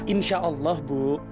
insya allah bu